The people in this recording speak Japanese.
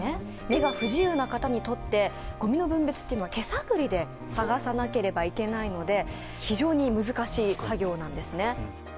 目が不自由な方にとってごみの分別っていうのは手探りで探さなければいけないので非常に難しい作業なんですね